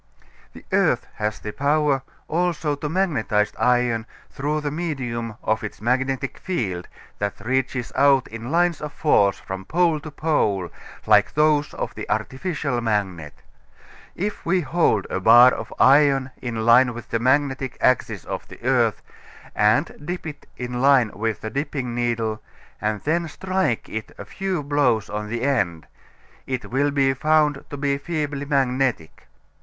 The earth has the power also to magnetize iron through the medium of its magnetic field, that reaches out in lines of force from pole to pole like those of the artificial magnet. If we hold a bar of iron in line with the magnetic axis of the earth and dip it in line with the dipping needle and then strike it a few blows on the end, it will be found to be feebly magnetic.